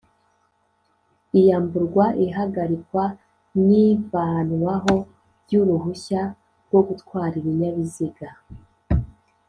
Iyamburwa ihagarikwa n ivanwaho by uruhushya rwogutwara ibinyabiziga